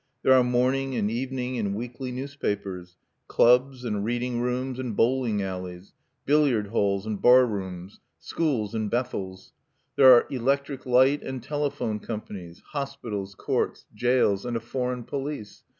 There are morning and evening and weekly newspapers; clubs and reading rooms and bowling alleys; billiard halls and barrooms; schools and bethels. There are electric light and telephone companies; hospitals, courts, jails, and a foreign police.